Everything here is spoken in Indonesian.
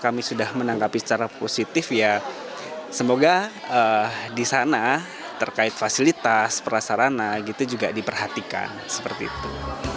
saya juga tidak bisa menanggapinya secara positif seperti itu dan ketika kami sudah menanggapi secara positif ya semoga disana terkait fasilitas perasarana gitu juga diperhatikan seperti itu